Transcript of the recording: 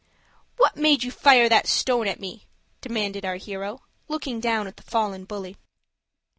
"What made you fire that stone at me?" demanded our hero, looking down at the fallen bully.